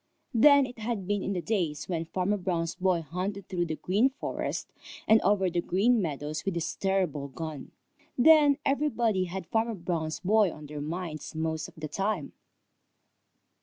Then it had been in the days when Farmer Brown's boy hunted through the Green Forest and over the Green Meadows with his terrible gun. Then everybody had Farmer Brown's boy on their minds most of the time.